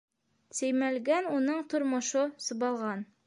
Сеймәлгән уның тормошо, сыбалған.